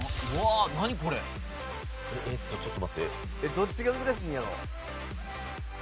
どっちが難しいんやろ？